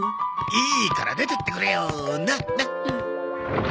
いいから出てってくれよなな！